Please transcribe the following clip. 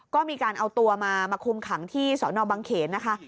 ก็มีการเอาตัวมามาคุมขังที่สอนอบังเขนนะคะ